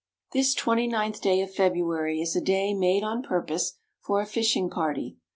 This twenty ninth day of February is a day made on purpose for a fishing party.